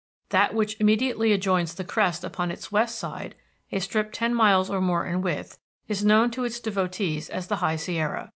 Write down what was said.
That which immediately adjoins the crest upon its west side, a strip ten miles or more in width, is known to its devotees as the High Sierra.